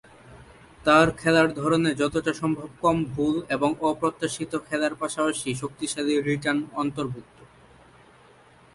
তার খেলার ধরনে যতটা সম্ভব কম ভুল এবং অপ্রত্যাশিত খেলার পাশাপাশি শক্তিশালী রিটার্ন অন্তর্ভুক্ত।